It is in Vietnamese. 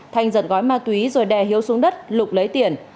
thanh giật gói ma túy rồi đè hiếu xuống đất lục lấy tiền